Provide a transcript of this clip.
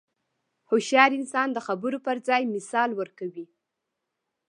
هوښیار انسان د خبرو پر ځای مثال ورکوي.